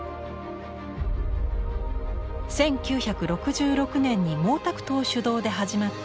１９６６年に毛沢東主導で始まった文化大革命。